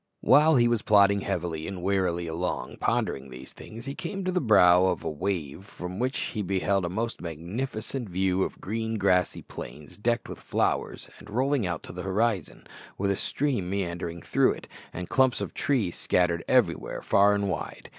While he was plodding heavily and wearily along, pondering these things, he came to the brow of a wave from which he beheld a most magnificent view of green grassy plains decked with flowers, and rolling out to the horizon, with a stream meandering through it, and clumps of trees scattered everywhere far and wide.